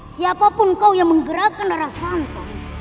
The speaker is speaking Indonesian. siapapun kau yang menggerakkan rarasantan